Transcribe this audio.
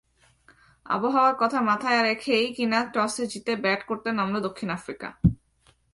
আবহাওয়ার কথা মাথা রেখেই কিনা টসে জিতে ব্যাট করতে নামল দক্ষিণ আফ্রিকা।